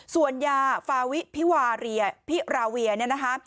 ส่วนยาฟาวิพิวาเรียพิราเวียเนี่ยนะคะ